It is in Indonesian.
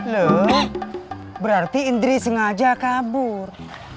loh berarti indri sengaja kabur